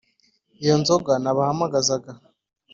iyo nzoga nabahamagazaga